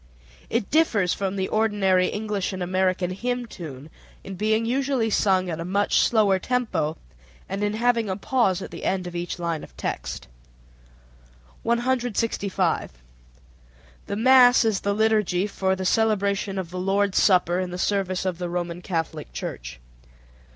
It differs from the ordinary English and American hymn tune in being usually sung at a much slower tempo, and in having a pause at the end of each line of text. 165. The mass is the liturgy for the celebration of the Lord's Supper in the service of the Roman Catholic Church.